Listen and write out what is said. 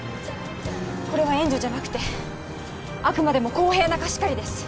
これは援助じゃなくてあくまでも公平な貸し借りです